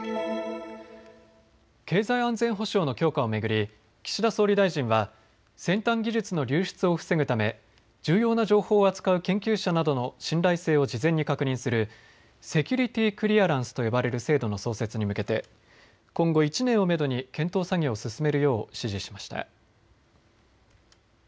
経済安全保障の強化を巡り岸田総理大臣は先端技術の流出を防ぐため重要な情報を扱う研究者などの信頼性を事前に確認するセキュリティークリアランスと呼ばれる制度の創設に向けて今後１年をめどに検討作業を進めるよう指示しました。